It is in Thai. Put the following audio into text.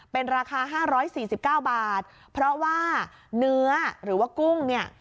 เป็นราคา๕๔๙บาทเพราะว่าเนื้อหรือว่ากุ้งเนี่ย